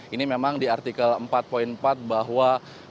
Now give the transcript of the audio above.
ini memang di artikel empat empat bahwa